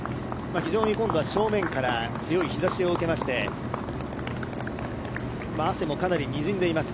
非常に今度は正面から強い日ざしを受けまして汗もかなりにじんでいます。